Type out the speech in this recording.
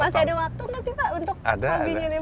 masih ada waktu nggak sih pak untuk hobinya